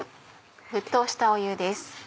沸騰した湯です。